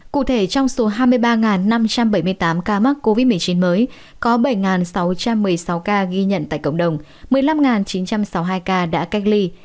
cụ thể trong số hai mươi ba năm trăm bảy mươi tám ca mắc covid một mươi chín mới có bảy sáu trăm một mươi sáu ca ghi nhận tại cộng đồng một mươi năm chín trăm sáu mươi hai ca đã cách ly